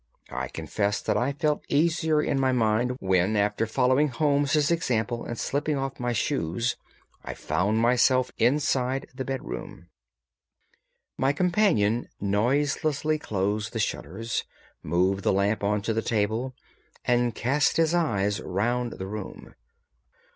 I confess that I felt easier in my mind when, after following Holmes' example and slipping off my shoes, I found myself inside the bedroom. My companion noiselessly closed the shutters, moved the lamp onto the table, and cast his eyes round the room.